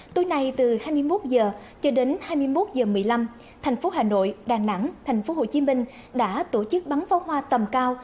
tối nay từ hai mươi một h cho đến hai mươi một h một mươi năm thành phố hà nội đà nẵng thành phố hồ chí minh đã tổ chức bắn pháo hoa tầm cao